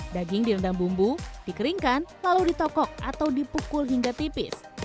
daging direndam bumbu dikeringkan lalu ditokok atau dipukul hingga tipis